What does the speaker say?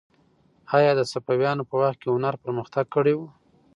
آیا د صفویانو په وخت کې هنر پرمختګ کړی و؟